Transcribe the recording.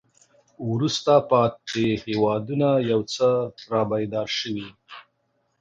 وروسته پاتې هېوادونه یو څه را بیدار شوي.